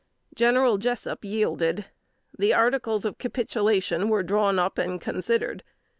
General Jessup yielded. The articles of capitulation were drawn up and considered.